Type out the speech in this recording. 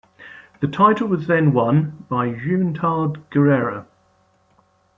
The title was then won again by Juventud Guerrera.